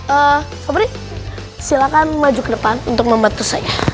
eh kepri silakan maju ke depan untuk membantu saya